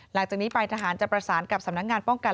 หลังจากนี้ไปทหารจะประสานกับสำนักงานป้องกัน